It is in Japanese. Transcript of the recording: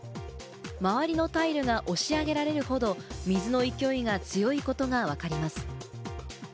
周りのタイルが押し上げられるほど水の勢いが強いことがわかります。